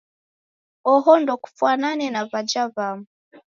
Oho ndokufwanane na w'aja w'amu.